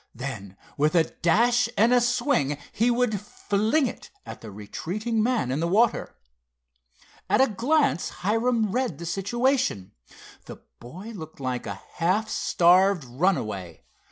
Then with a dash and a swing he would fling it at the retreating man in the water. At a glance Hiram read the situation. The boy looked like a half starved runaway.